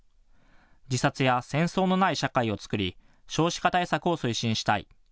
自殺や戦争のない社会を作り、少子化対策を推進したい。